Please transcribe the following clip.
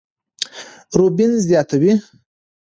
روبين زياتوي،